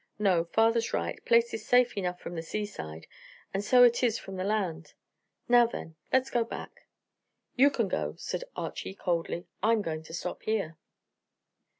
No, father's right; place is safe enough from the seaside, and so it is from the land. Now, then, let's go back." "You can go," said Archy coldly. "I'm going to stop here."